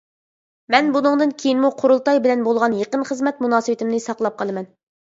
مەن بۇنىڭدىن كېيىنمۇ قۇرۇلتاي بىلەن بولغان يېقىن خىزمەت مۇناسىۋىتىمنى ساقلاپ قالىمەن.